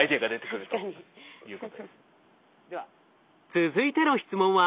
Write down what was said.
続いての質問は？